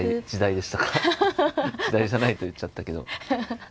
時代じゃないと言っちゃったけど。